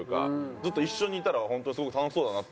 ずっと一緒にいたらホントにすごく楽しそうだなと思って。